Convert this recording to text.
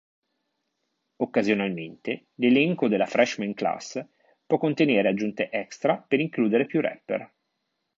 Occasionalmente, l'elenco della Freshman Class può contenere aggiunte extra per includere più rapper.